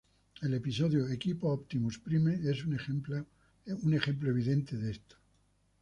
El Episodio "Equipo Optimus Prime" es un ejemplo evidente de esto.